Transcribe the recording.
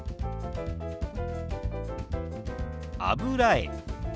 「油絵」。